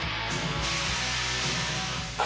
あ！